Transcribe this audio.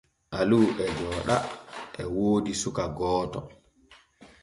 Alu e jooɗa e woodi suka gooto.